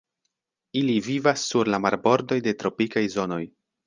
Ili vivas sur la marbordoj de tropikaj zonoj.